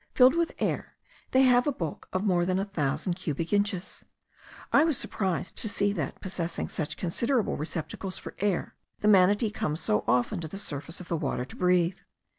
Filled with air, they have a bulk of more than a thousand cubic inches. I was surprised to see that, possessing such considerable receptacles for air, the manatee comes so often to the surface of the water to breathe.